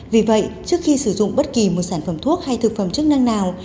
vì vậy trước khi sử dụng bất kỳ một sản phẩm thuốc hay thực phẩm chức năng nào